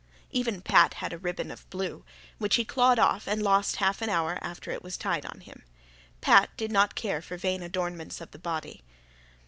Even Pat had a ribbon of blue, which he clawed off and lost half an hour after it was tied on him. Pat did not care for vain adornments of the body.